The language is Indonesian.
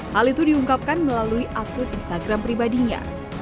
hal itu diungkapkan melalui akun instagram pribadinya